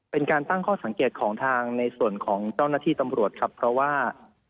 เป็นการตั้งข้อสังเกตของทางในส่วนของเจ้าหน้าที่ตำรวจครับเพราะว่า